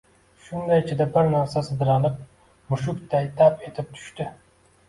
Shunda ichidan bir narsa sidralib mushukday tap etib tushdi.